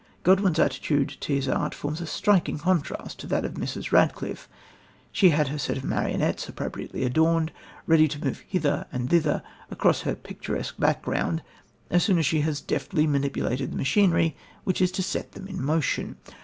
Godwin's attitude to his art forms a striking contrast to that of Mrs. Radcliffe. She has her set of marionettes, appropriately adorned, ready to move hither and thither across her picturesque background as soon as she has deftly manipulated the machinery which is to set them in motion.